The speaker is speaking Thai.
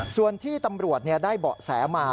ส่วนที่ตำรวจได้เบาะแสมา